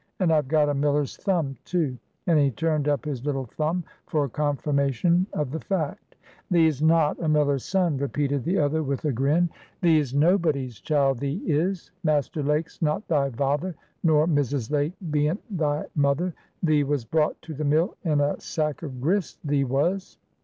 "And I've got a miller's thumb, too;" and he turned up his little thumb for confirmation of the fact. "Thee's not a miller's son," repeated the other, with a grin. "Thee's nobody's child, thee is. Master Lake's not thy vather, nor Mrs. Lake bean't thy mother. Thee was brought to the mill in a sack of grist, thee was."